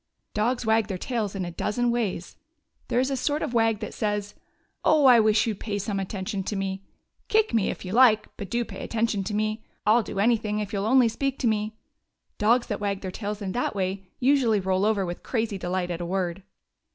Dogs wag their tails in a dozen ways. There is a sort of wag that says: "Oh, I wish you 'd pay some attention to me. Kick me, if you like, but do pay attention to me. I 'll do anything if you 'll only speak to me !" Dogs that wag their tails in that way usually roll over with crazy delight at a word.